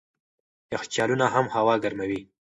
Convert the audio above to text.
یخچالونه هم هوا ګرموي.